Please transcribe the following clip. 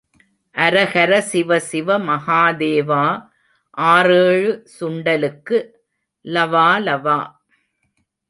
அரகர சிவசிவ மகாதேவா, ஆறேழு சுண்டலுக்கு லவாலவா.